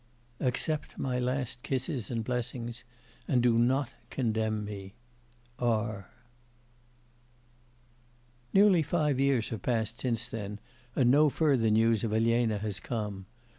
'Accept my last kisses and blessings, and do not condemn me. R.' Nearly five years have passed since then, and no further news of Elena has come.